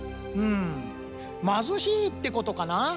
うん「まずしい」ってことかな。